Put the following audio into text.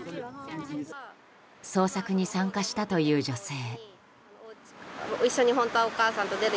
捜索に参加したという女性。